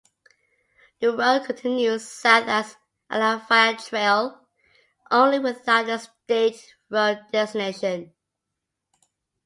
The road continues south as Alafaya Trail only without the state road designation.